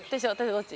どっち？